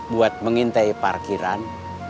buat mengintai parkiran